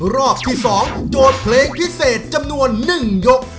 รอบที่๒โจทย์เพลงพิเศษจำนวน๑ยก